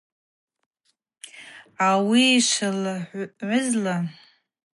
Ауи йшылгӏвызла, Сария зымгӏвагьи дырзычпан – лчгӏвычаща апны йгӏашӏарышвта аунагӏва пхара анкъвгара апныдза.